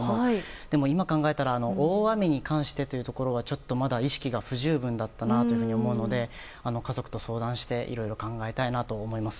でも、今考えたら大雨に関してというところはちょっとまだ意識が不十分だったと思うので家族と相談していろいろ考えたいなと思います。